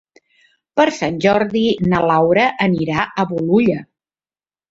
Per Sant Jordi na Laura anirà a Bolulla.